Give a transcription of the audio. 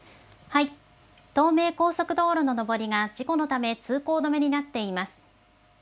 東名高速道路の上りが、事故のため通行止めになっています。